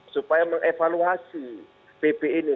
supaya mengevaluasi pp ini